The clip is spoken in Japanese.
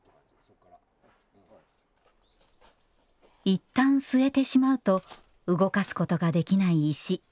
いったん据えてしまうと動かすことができない石。